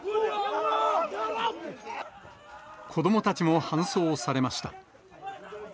子どもたちも搬送されました。